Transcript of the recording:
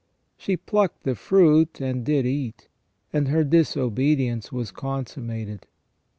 She plucked the fruit, and did eat, and her disobedience was consummated.